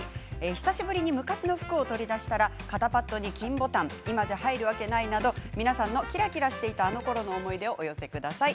久しぶりに昔の服を取り出したら肩パッドに金ボタン今じゃ入るわけないなど皆さんのキラキラしていたあのころの思い出をお寄せください。